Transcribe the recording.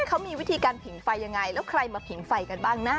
เขามีวิธีการผิงไฟยังไงแล้วใครมาผิงไฟกันบ้างนะ